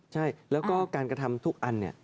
ใช่แล้วก็การกระทำทุกอันเนี่ย